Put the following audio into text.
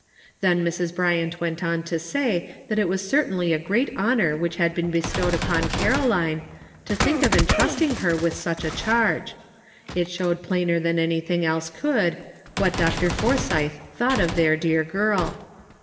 Then Mrs. Bryant went on to say that it was certainly a great honor which had been bestowed upon Caroline, to think of entrusting her with such a charge ; it showed plainer than anything else could, what Dr. For sythe thought of their dear girl.